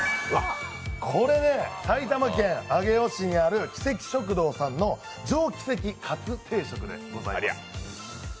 これね、埼玉県上尾市にあるキセキ食堂さんの上キセキカツ定食でございます。